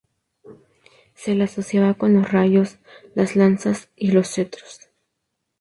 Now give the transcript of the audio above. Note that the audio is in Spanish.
Se le asociaba con los rayos, las lanzas y los cetros.